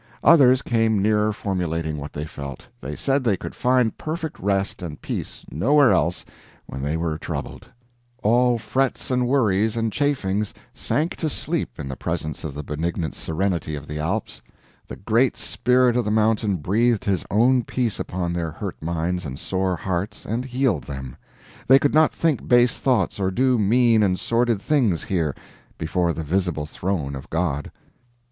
Others came nearer formulating what they felt; they said they could find perfect rest and peace nowhere else when they were troubled: all frets and worries and chafings sank to sleep in the presence of the benignant serenity of the Alps; the Great Spirit of the Mountain breathed his own peace upon their hurt minds and sore hearts, and healed them; they could not think base thoughts or do mean and sordid things here, before the visible throne of God.